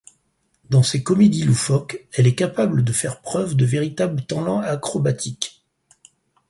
Dans ces comédies loufoques, elle est capable de faire preuve de véritables talents acrobatiques.